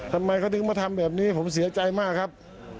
ทำไมเขาถึงมาทำแบบนี้ผมเสียใจมากครับ